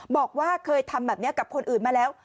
บอกว่าเคยทำแบบนี้กับคนอื่นมาแล้ว